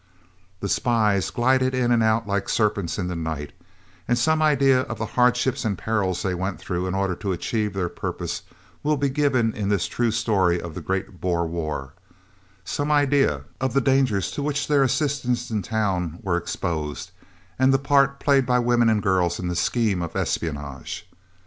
The spies glided in and out like serpents in the night, and some idea of the hardships and perils they went through in order to achieve their purpose will be given in this true story of the great Boer war, some idea of the dangers to which their assistants in town were exposed, and the part played by women and girls in the scheme of espionage.